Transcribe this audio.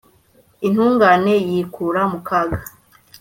intungane yikura mu kaga